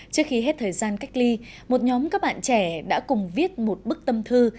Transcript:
trước khi hết thời gian cách ly một nhóm các bạn trẻ đã cùng viết một bức tâm thư